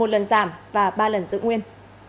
từ lần giảm và ba lần giữ nguyên